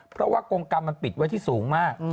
เพราะว่ากรงกรรมมันปิดไว้ที่สูงมาก